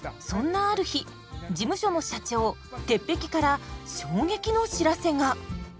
そんなある日事務所の社長鉄壁から衝撃の知らせが。